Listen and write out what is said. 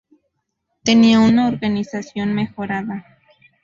Tenían una organización mejorada.